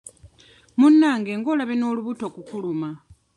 Munnange ng'olabye n'olubuto okukuluma.